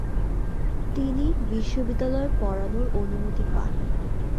তিনি বিশ্ববিদ্যালয়ে পড়ানোর অনুমতি পান।